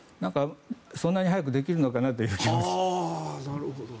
そんなに早くできるのかなという気がします。